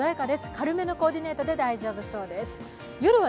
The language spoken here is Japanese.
軽めのコーディネートで大丈夫です。